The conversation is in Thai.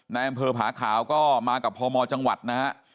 ในแอมเพิร์ดผาร์ขาวก็มากับพรมจังหวัดนะ